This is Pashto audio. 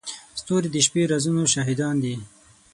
ستوري د شپې د رازونو شاهدان دي.